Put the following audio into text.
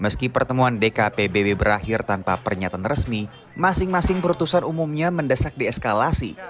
meski pertemuan dkpbb berakhir tanpa pernyataan resmi masing masing perutusan umumnya mendesak dieskalasi